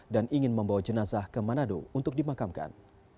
dan ingin membawa jenazah ke manado untuk dimakamkan